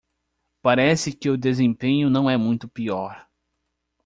Parece que o desempenho não é muito pior.